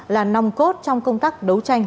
là nong cốt trong công tác đấu tranh